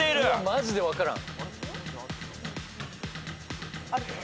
マジで分からん。